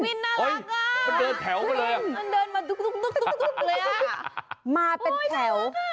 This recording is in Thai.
เพนกวินน่ารักอ่ะมันเดินแถวไปเลยอ่ะมันเดินมาตุ๊กเลยอ่ะ